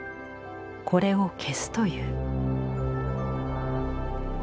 これを消すという。